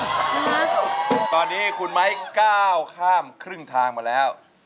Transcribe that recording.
ตอนนี้คุณไม้ก้าวข้ามครึ่งทางมาแล้ว